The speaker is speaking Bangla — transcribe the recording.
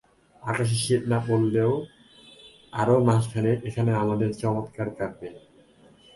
অকালে শীত না পড়লে আরও মাসখানেক এখানে আমাদের চমৎকার কাটবে।